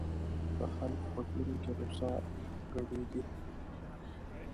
د خلکو په زړونو کې غوسه ګډېږي.